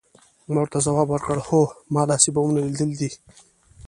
ما ورته ځواب ورکړ، هو، ما لاسي بمونه لیدلي دي.